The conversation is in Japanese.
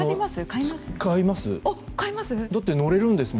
買います？